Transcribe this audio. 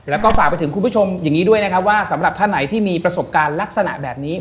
แล้วก็ฝากไปถึงคุณผู้ชมอย่างนี้ด้วยนะครับว่าสำหรับท่านไหนที่มีประสบการณ์ลักษณะแบบนี้